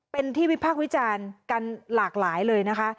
เป็นที่วิพากษ์วิจารณ์กันหลากหลายเลยนะคะ